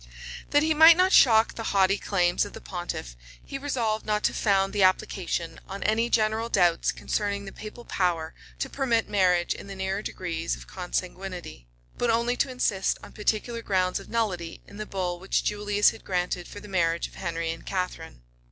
That he might not shock the haughty claims of the pontiff, he resolved not to found the application on any general doubts concerning the papal power to permit marriage in the nearer degrees of consanguinity; but only to insist on particular grounds of nullity in the bull which Julius had granted for the marriage of Henry and Catharine.